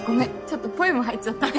ちょっとポエム入っちゃった。